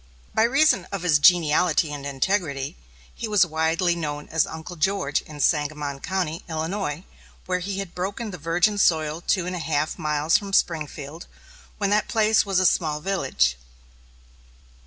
By reason of his geniality and integrity, he was widely known as "Uncle George" in Sangamon County, Illinois, where he had broken the virgin soil two and a half miles from Springfield, when that place was a small village.